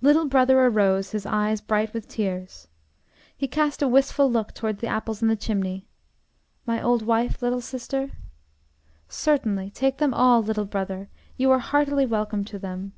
Little brother arose, his eyes bright with tears. He cast a wistful look toward the apples in the chimney: "My old wife, little sister?" "Certainly, take them all, little brother, you are heartily welcome to them."